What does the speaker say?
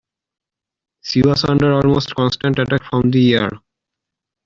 She was under almost constant attack from the air.